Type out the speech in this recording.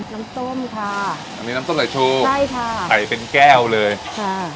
น้ำส้มค่ะอันนี้น้ำส้มไหลชูใช่ค่ะใส่เป็นแก้วเลยค่ะ